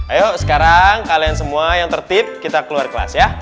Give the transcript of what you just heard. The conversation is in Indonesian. ayo sekarang kalian semua yang tertib kita keluar kelas ya